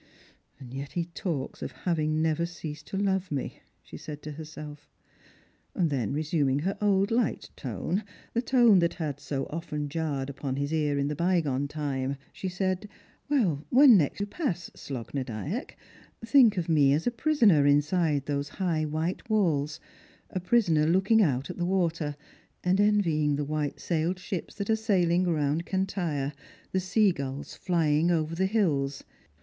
"And yet he talks of having never ceased to love me," she said to herself. Then resuming her old light tone — the tone that had so often jarred upon his ear in the bygone time — she said, " When next you pass Slogh na Dyack, think of me as a prisoner inside those high white walls, a prisoner looking out at the water, and envying the white sailed ships that are sailing round Cantyre, the sea gulls flying over the hills.